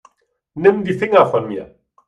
Nimm die Finger von mir.